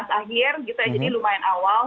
jadi lumayan awal